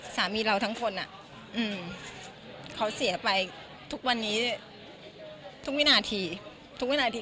สามีเราทั้งคนเขาเสียไปทุกวันนี้ทุกวินาที